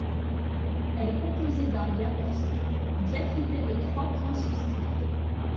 Elle est composée d’un yāʾ persan diacrité de trois points suscrits.